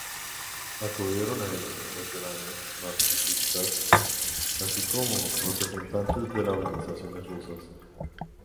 Acudieron a ella veteranos marxistas así como representantes de las organizaciones en Rusia.